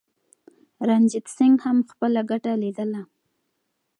رنجیت سنګ هم خپله ګټه لیدله.